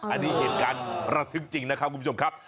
อันนี้เหตุการณ์ระทึกจริงนะครับคุณผู้ชมครับ